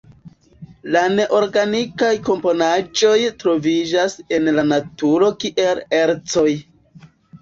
La neorganikaj komponaĵoj troviĝas en la naturo kiel ercoj.